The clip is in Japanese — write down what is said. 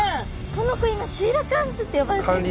この子今シーラカンスって呼ばれてるんですね。